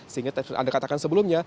sehingga anda katakan sebelumnya